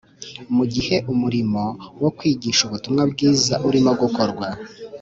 mu gihe umurimo wo kwigisha ubutumwa bwiza urimo gukorwa,